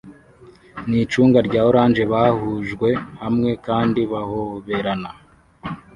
nicunga rya orange bahujwe hamwe kandi bahoberana